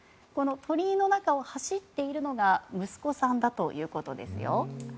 この鳥居の中を走っているのが息子さんだということですよ。